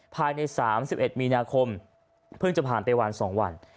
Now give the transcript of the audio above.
ภายใน๓๑มีนาคมเพิ่งจะผ่านไปวัน๒วัน